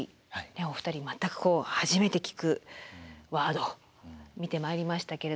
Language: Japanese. お二人全くこう初めて聞くワード見てまいりましたけれども。